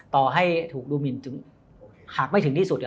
ต่อให้ถูกดูหมินหากไม่ถึงที่สุด